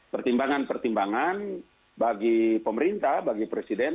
pertimbangan pertimbangan bagi pemerintah bagi presiden